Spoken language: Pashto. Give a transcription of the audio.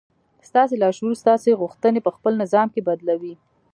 ستاسې لاشعور ستاسې غوښتنې پهخپل نظام کې بدلوي